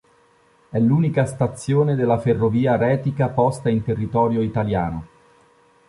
È l'unica stazione della Ferrovia Retica posta in territorio italiano.